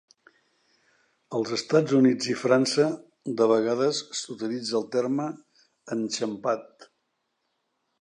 Als Estats Units i França, de vegades s'utilitza el terme "enxampat".